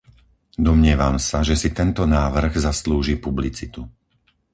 Domnievam sa, že si tento návrh zaslúži publicitu.